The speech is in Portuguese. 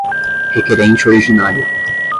requerente originário.